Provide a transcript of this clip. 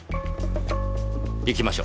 行きましょ。